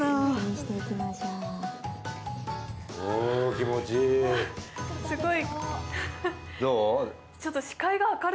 気持ちいい。